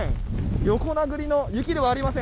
横殴りの雪ではありません。